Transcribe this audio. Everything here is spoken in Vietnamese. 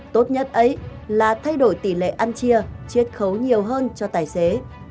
tốt nhất ấy là thay đổi tỷ lệ ăn chia chết khấu nhiều hơn cho tài xế